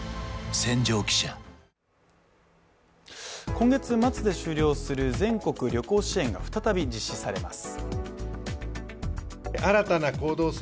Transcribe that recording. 今月末で終了する全国旅行支援が再び実施されます。